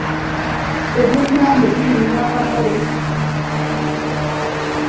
Ebyenyanja birinye akatale.